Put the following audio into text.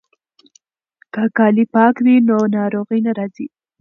که کالي پاک وي نو ناروغي نه راځي.